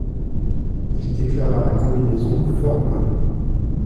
Il déclara la combinaison fort bonne.